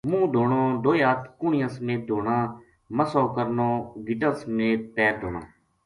منہ دھونو، دوئے ہتھ کہنیاں سمیت دھونا، مسحو کرنو، گٹاں سمیت پیر دھونا۔